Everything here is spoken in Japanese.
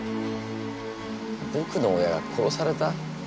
僕の親が殺された？